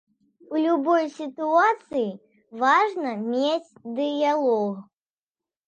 У любой сітуацыі важна мець дыялог.